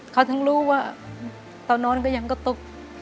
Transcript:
เขาถึงรู้ว่าตอนนอนก็ยังก็ตุ๊ก